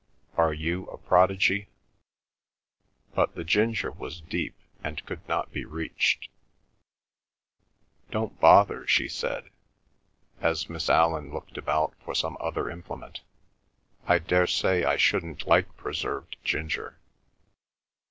Are you a prodigy?" But the ginger was deep and could not be reached. "Don't bother," she said, as Miss Allan looked about for some other implement. "I daresay I shouldn't like preserved ginger."